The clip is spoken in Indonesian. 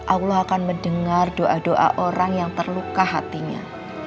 allah akan mendengar doa doa orang yang terluka hatinya